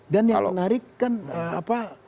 dan yang menarik kan apa